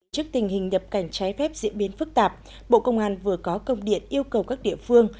trước tình hình nhập cảnh trái phép diễn biến phức tạp bộ công an vừa có công điện yêu cầu các địa phương